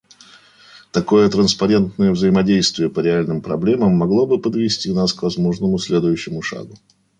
Такое транспарентное взаимодействие по реальным проблемам могло бы подвести нас к возможному следующему шагу.